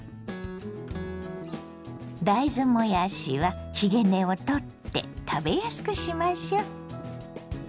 大豆もやしはひげ根を取って食べやすくしましょ。